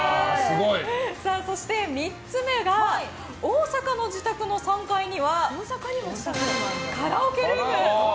そして３つ目が大阪の自宅の３階にはカラオケルーム。